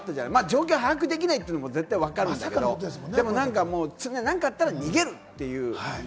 状況が把握できないっていうのもわかるけど、何かあったら逃げるっていう。